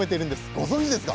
ご存じですか？